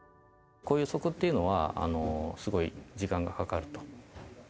こういう予測っていうのは、すごい時間がかかると。